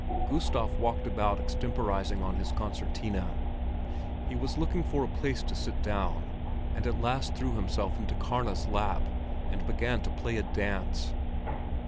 Gustav walked about extemporizing on his concertina. He was looking for a place to sit down, and at last threw himself into Karna's lap, and began to play a dance.